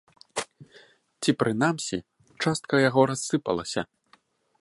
Ці, прынамсі, частка яго рассыпалася.